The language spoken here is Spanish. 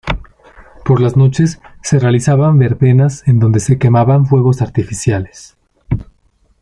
Por las noches, se realizaban verbenas en donde se quemaban fuegos artificiales.